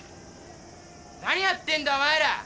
・何やってんだお前ら。